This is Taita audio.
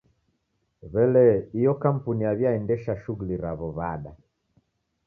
W'ele iyo kampuni yaw'iaendesha shughuli raw'o w'ada?